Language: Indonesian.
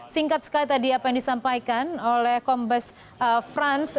singkat sekali tadi apa yang disampaikan oleh kombes frans